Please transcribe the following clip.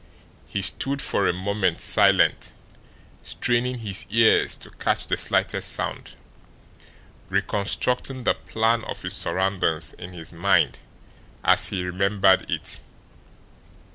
He stood for a moment silent, straining his ears to catch the slightest sound, reconstructing the plan of his surroundings in his mind as he remembered it.